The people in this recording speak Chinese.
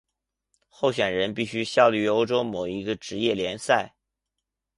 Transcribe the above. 候选人必须效力于欧洲某一职业联赛。